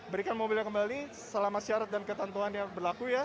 berikan mobilnya kembali selama syarat dan ketentuan yang berlaku ya